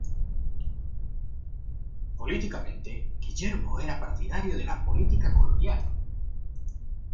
Políticamente, Guillermo era partidario de la política colonial.